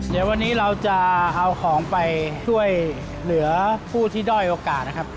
เดี๋ยววันนี้เราจะเอาของไปช่วยเหลือผู้ที่ด้อยโอกาสนะครับ